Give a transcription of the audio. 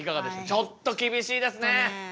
ちょっと厳しいですね。